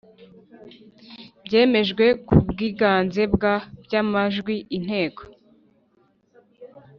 Byemejwe Kubwiganze Bwa By Amajwi Inteko